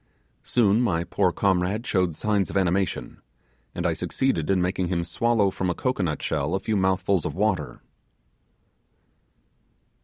Soon my poor comrade showed signs of animation, and I succeeded in making him swallow from a cocoanut shell a few mouthfuls of water.